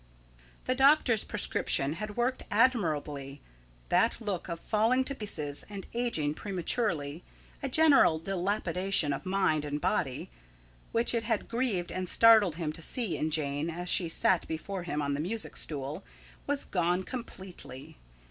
The doctor's prescription had worked admirably. That look of falling to pieces and ageing prematurely a general dilapidation of mind and body which it had grieved and startled him to see in Jane as she sat before him on the music stool, was gone completely.